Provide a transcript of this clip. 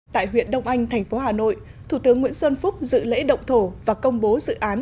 tại huyện đông anh thành phố hà nội thủ tướng nguyễn xuân phúc dự lễ động thổ và công bố dự án